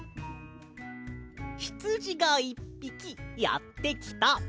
「ひつじが１ぴきやってきた。